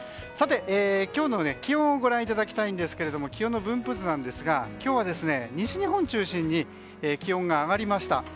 さて、今日の気温をご覧いただきたいんですが気温の分布図なんですが今日は西日本中心に気温が上がりました。